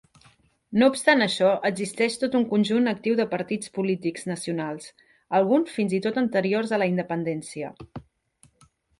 No obstant això, existeix tot un conjunt actiu de partits polítics nacionals, alguns fins i tot anteriors a la independència.